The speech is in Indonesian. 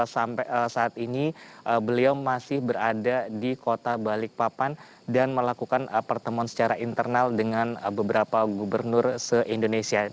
sampai saat ini beliau masih berada di kota balikpapan dan melakukan pertemuan secara internal dengan beberapa gubernur se indonesia